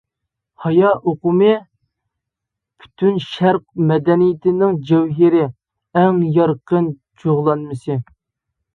ھايا ئۇقۇمى پۈتۈن شەرق مەدەنىيىتىنىڭ جەۋھىرى، ئەڭ يارقىن جۇغلانمىسى.